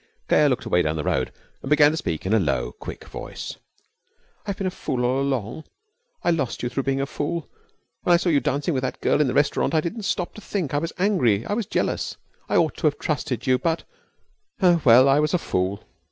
Claire looked away down the road and began to speak in a low, quick voice: 'I've been a fool all along. I lost you through being a fool. When I saw you dancing with that girl in the restaurant I didn't stop to think. I was angry. I was jealous. I ought to have trusted you, but Oh, well, I was a fool.'